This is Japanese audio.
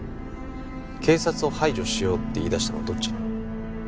警察を排除しようって言いだしたのはどっち？